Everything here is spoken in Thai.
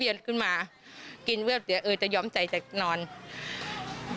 เธอขนลุกเลยนะคะเสียงอะไรอีกเสียงอะไรบางอย่างกับเธอแน่นอนค่ะ